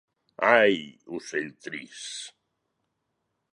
Ai, ocell trist!